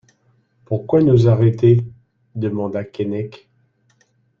Pourquoi nous arrêter ? demanda Keinec.